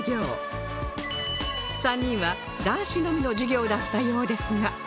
３人は男子のみの授業だったようですが